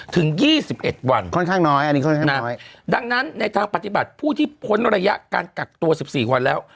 ถึง๒๑วันดังนั้นในทางปฏิบัติผู้ที่พ้นระยะการกักตัว๑๔วันแล้ว